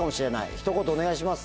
ひと言お願いします。